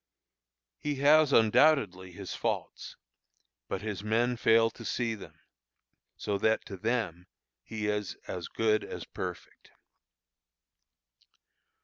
He has undoubtedly his faults, but his men fail to see them, so that to them he is as good as perfect.